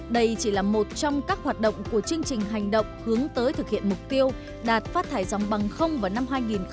đây chỉ là một trong các hoạt động của chương trình hành động hướng tới thực hiện mục tiêu đạt phát thải dòng bằng không vào năm hai nghìn ba mươi